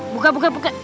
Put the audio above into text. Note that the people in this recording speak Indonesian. buka buka buka